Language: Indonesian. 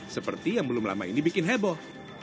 seperti yang belum lama ini bikin heboh